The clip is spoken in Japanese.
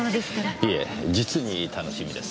いえ実に楽しみです。